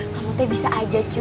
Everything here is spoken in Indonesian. kamu teh bisa aja cuy